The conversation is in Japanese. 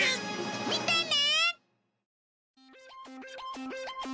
見てね！